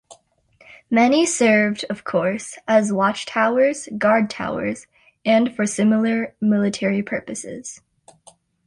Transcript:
Many served, of course, as watchtowers, guardtowers, and for similar military purposes.